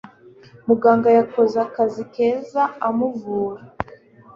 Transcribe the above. Muganga yakoze akazi keza amuvura.